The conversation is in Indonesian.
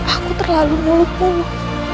aku terlalu muluk muluk